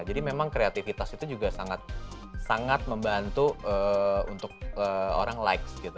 jadi memang kreativitas itu juga sangat membantu untuk orang likes gitu